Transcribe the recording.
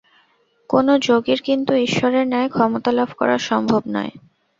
কোন যোগীর কিন্তু ঈশ্বরের ন্যায় ক্ষমতালাভ করা সম্ভব নয়।